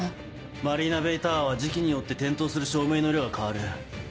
マリーナベイタワーは時期によって点灯する照明の色が変わる。